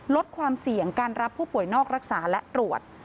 ลดความเสี่ยงการรับผู้ป่วยนอกรักษาและตรวจ